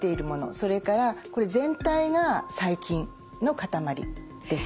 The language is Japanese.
それからこれ全体が細菌の塊です。